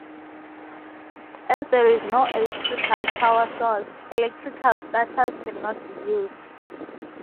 As there is no electrical power source, electrical starters cannot be used.